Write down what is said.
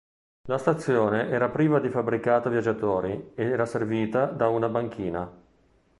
La stazione era priva di fabbricato viaggiatori era servita da una banchina.